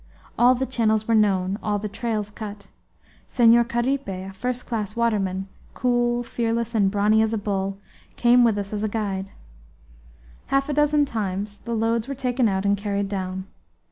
All the channels were known, all the trails cut. Senhor Caripe, a first class waterman, cool, fearless, and brawny as a bull, came with us as guide. Half a dozen times the loads were taken out and carried down.